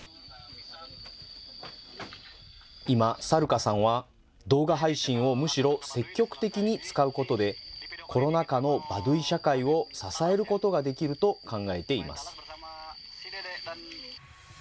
今、サルカさんは、動画配信をむしろ積極的に使うことで、コロナ禍のバドゥイ社会を支えることができると考えています。